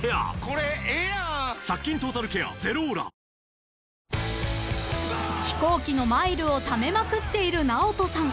ニトリ［飛行機のマイルをためまくっているＮＡＯＴＯさん］